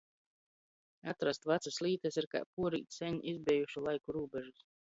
Atrast vacys lītys ir kai puorīt seņ izbejušu laiku rūbežus.